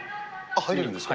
入れるんですか。